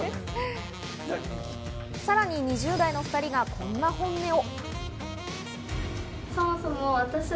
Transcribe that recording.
さらに２０代の２人がこんな本音を。